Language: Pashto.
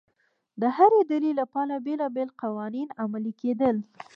د هرې ډلې لپاره بېلابېل قوانین عملي کېدل